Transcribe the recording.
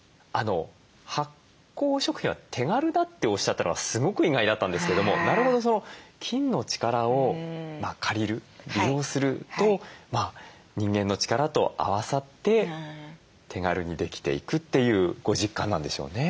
発酵食品は手軽だっておっしゃったのがすごく意外だったんですけどもなるほど菌の力を借りる利用すると人間の力と合わさって手軽にできていくというご実感なんでしょうね。